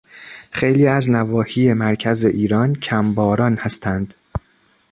خیلی از نواحی مرکز ایران کمباران هستند.